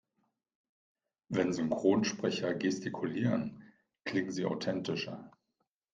Wenn Synchronsprecher gestikulieren, klingen sie authentischer.